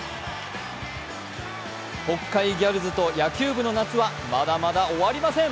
北海ギャルズと野球部の夏はまだまだ終わりません。